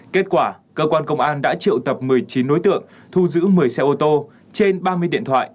kết quả cơ quan công an đã triệu tập một mươi chín đối tượng thu giữ một mươi xe ô tô trên ba mươi điện thoại